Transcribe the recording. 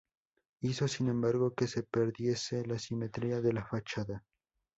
Hizo, sin embargo, que se perdiese la simetría de la fachada.